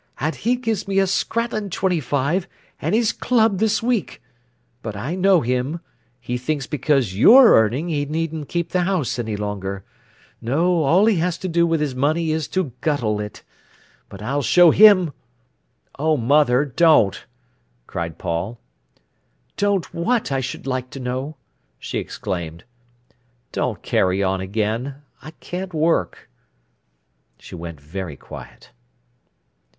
"And he gives me a scrattlin' twenty five, an' his club this week! But I know him. He thinks because you're earning he needn't keep the house any longer. No, all he has to do with his money is to guttle it. But I'll show him!" "Oh, mother, don't!" cried Paul. "Don't what, I should like to know?" she exclaimed. "Don't carry on again. I can't work." She went very quiet.